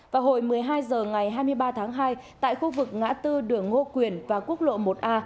vào hồi một mươi hai h ngày hai mươi ba tháng hai tại khu vực ngã tư đường ngô quyền và quốc lộ một a